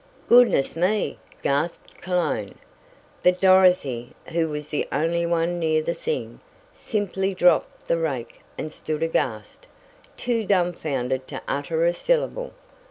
"Goodness me!" gasped Cologne. But Dorothy, who was the only one near the thing, simply dropped the rake and stood aghast too dumbfounded to utter a syllable!